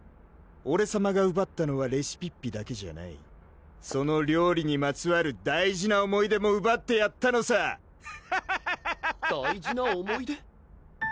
オレさまがうばったのはレシピッピだけじゃないその料理にまつわる大事な思い出もうばってやったのさハッハッハッハッ大事な思い出？